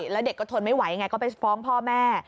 แล้วเด็กก็ทนไม่ไหวไงก็ไปฟ้องพ่อแม่